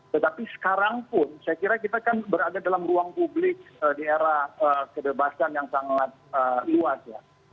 tetapi sekarang pun saya kira kita kan berada dalam ruang publik di era kebebasan yang sangat luas ya